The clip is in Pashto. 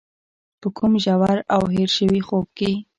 په کوم ژور او هېر شوي خوب کې.